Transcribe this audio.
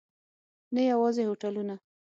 نه یوازې هوټلونه.